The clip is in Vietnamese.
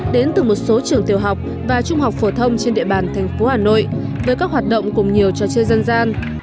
đến từ một số trường tiểu học và trung học phổ thông trên địa bàn thành phố hà nội với các hoạt động cùng nhiều trò chơi dân gian